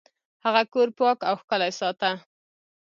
هغه کور پاک او ښکلی ساته.